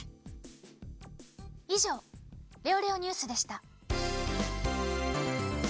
いじょう「レオレオニュース」でした。